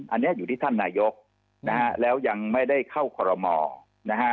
อันนี้อยู่ที่ท่านนายกนะฮะแล้วยังไม่ได้เข้าคอรมอนะฮะ